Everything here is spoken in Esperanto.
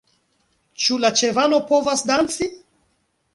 Ĉu la ĉevalo povas danci!?